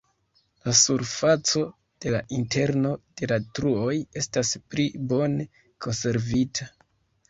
La surfaco de la interno de la truoj estas pli bone konservita.